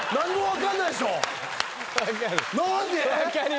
分かんないでしょ。